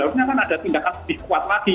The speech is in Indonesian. harusnya kan ada tindakan lebih kuat lagi